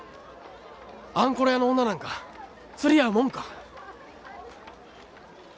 あんころ屋の女なんか釣り合うもんか！